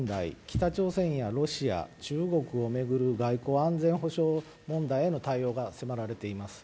北朝鮮やロシア、中国を巡る外交・安全保障問題への対応が迫られています。